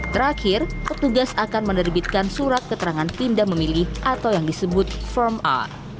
terakhir petugas akan menerbitkan surat keterangan pindah memilih atau yang disebut firm a